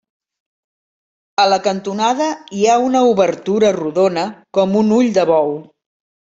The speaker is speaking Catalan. A la cantonada hi ha una obertura rodona com un ull de bou.